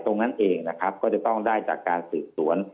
ตรงนั้นเองนะครับก็จะต้องได้จากการสืบสวน